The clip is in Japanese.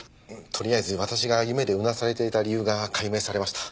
とりあえず私が夢でうなされていた理由が解明されました。